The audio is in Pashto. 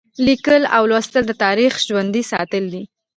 لیکل او لوستل د تاریخ ژوندي ساتل دي.